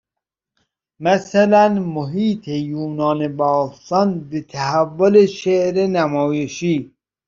مثلاً محیط یونان باستان به تحول شعر نمایشی